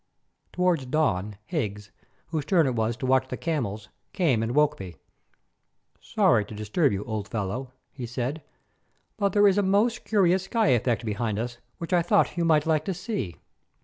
Toward dawn Higgs, whose turn it was to watch the camels, came and woke me. "Sorry to disturb you, old fellow," he said, "but there is a most curious sky effect behind us which I thought you might like to see."